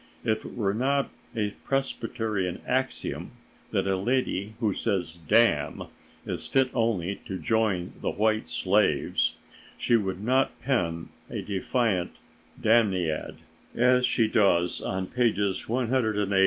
If it were not a Presbyterian axiom that a lady who says "damn" is fit only to join the white slaves, she would not pen a defiant Damniad, as she does on pages 108, 109 and 110.